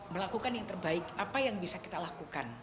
melakukan yang terbaik apa yang bisa kita lakukan